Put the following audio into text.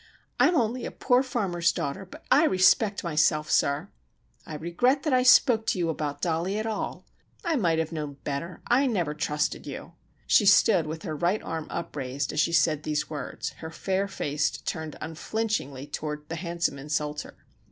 "I'm only a poor farmer's daughter, but I respect myself, sir! I regret that I spoke to you about Dollie at all! I might have known better. I have never trusted you!" She stood with her right arm upraised as she said these words, her fair face turned unflinchingly toward the handsome insulter.